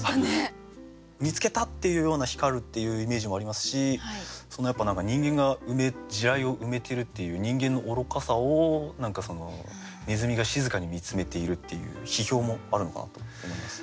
見つけたっていうような光るっていうイメージもありますしそのやっぱ何か人間が地雷を埋めてるっていう人間の愚かさを何かネズミが静かに見つめているっていう批評もあるのかなと思います。